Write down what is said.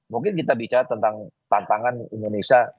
mungkin kita bicara tentang tantangan indonesia